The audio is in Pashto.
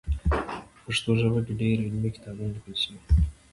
په پښتو ژبه کې ډېر علمي کتابونه لیکل سوي دي.